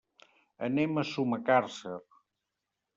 Anem a Sumacàrcer.